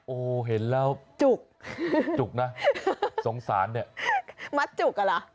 โอ้โหเห็นแล้วจุกจุกนะสงสารเนี่ยมัดจุกอ่ะเหรอ